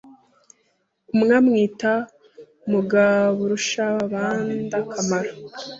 umwe amwita Mugaburushabandakamaro